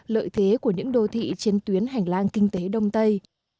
lợi thế của những đô thị trên tuyến hành lang kinh tế đông tây